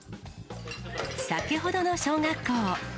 先ほどの小学校。